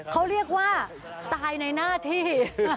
เขาเรียกว่าตายในหน้าที่